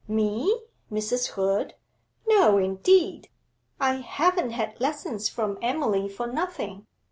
'Me, Mrs. Hood? No, indeed; I haven't had lessons from Emily for nothing.